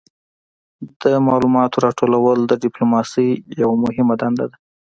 د معلوماتو راټولول د ډیپلوماسي یوه مهمه دنده ده